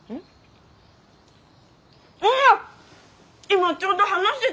今ちょうど話して。